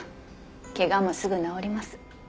怪我もすぐ治ります。